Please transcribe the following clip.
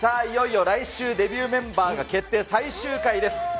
いよいよ来週デビューメンバーが決定、最終回です。